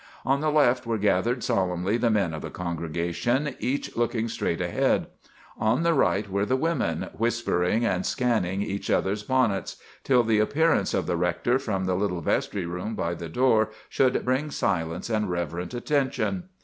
"On the left were gathered solemnly the men of the congregation, each looking straight ahead. On the right were the women, whispering and scanning each other's bonnets, till the appearance of the rector from the little vestry room by the door should bring silence and reverent attention.